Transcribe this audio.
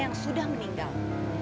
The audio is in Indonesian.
yang sudah meninggal